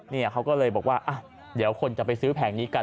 เนี่ยเขาก็เลยบอกว่าเดี๋ยวคนจะไปซื้อแผงนี้กัน